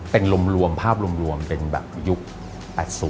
เป็นภาพรวมเป็นแบบยุค๘๐ปี